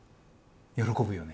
喜ぶよね。